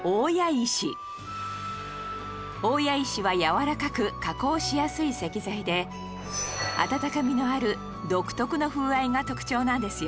大谷石は軟らかく加工しやすい石材で温かみのある独特な風合いが特徴なんですよ